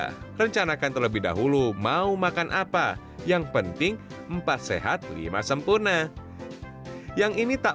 ya rencanakan terlebih dahulu mau makan apa yang penting empat sehat lima sempurna yang ini tak